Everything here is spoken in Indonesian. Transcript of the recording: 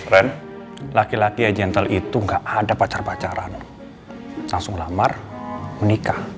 ren laki laki yang gentle itu gak ada pacar pacaran